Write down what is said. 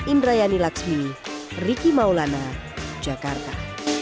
indrayani laksmi riki maulana jakarta